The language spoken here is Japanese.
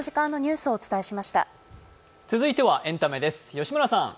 続いてはエンタメです。